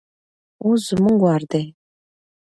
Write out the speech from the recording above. اوس زموږ وار دی.